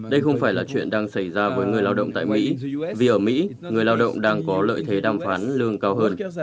đây không phải là chuyện đang xảy ra với người lao động tại mỹ vì ở mỹ người lao động đang có lợi thế đàm phán lương cao hơn